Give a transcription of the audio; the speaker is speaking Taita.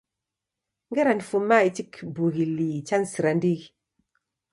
Ngera nifuma ichi kibughi lii chanisira ndighi